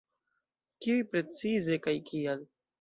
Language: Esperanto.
Kiuj precize kaj kial?